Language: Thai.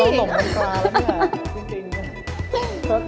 เราหลงมนตราแล้วนี่แหละจริง